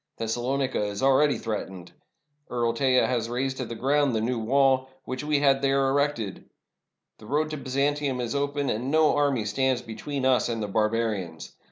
Thes salonica is already threatened. Earl Teja has razed to the ground the 'New Wall, ' which we had there erected. The road to Byzantium is open, and no army stands between us and the barbarians.